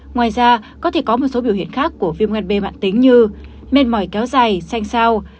ngoài ra có thể có một số biểu hiện khác của viêm gan b mạng tính như mệt mỏi kéo dài xanh sao